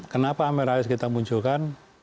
kenapa amerika raya kita munculkan